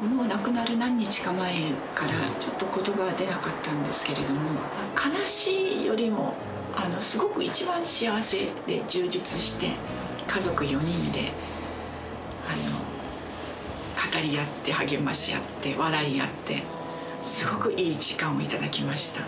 亡くなる何日か前から、ちょっとことばが出なかったんですけれども、悲しいよりも、すごく一番幸せで、充実して、家族４人で語り合って、励まし合って、笑い合って、すごくいい時間を頂きました。